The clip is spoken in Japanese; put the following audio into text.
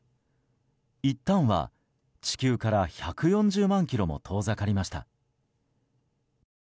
いったんは地球から１４０万ｋｍも遠ざかりました。